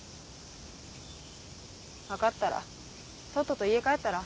分かったらとっとと家帰ったら？